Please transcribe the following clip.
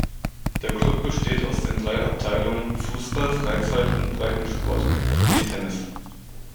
Der Club besteht aus den drei Abteilungen Fußball, Freizeit- und Breitensport, sowie Tennis.